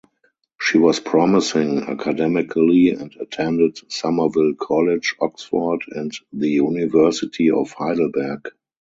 She was promising academically and attended Somerville College, Oxford and the University of Heidelberg.